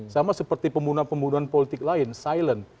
sama seperti pembunuhan pembunuhan politik lain silent